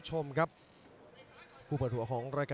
สวัสดีครับ